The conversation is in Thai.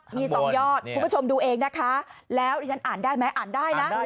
มี๒ยอดคุณผู้ชมดูเองนะคะแล้วดิฉันอ่านได้ไหมอ่านได้นะ